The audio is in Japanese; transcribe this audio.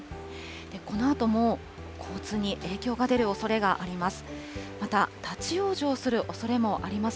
このあとも交通に影響が出るおそれがあります。